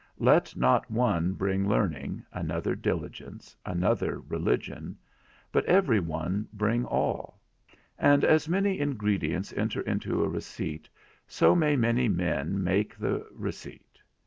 Let not one bring learning, another diligence, another religion, but every one bring all; and as many ingredients enter into a receipt, so may many men make the receipt.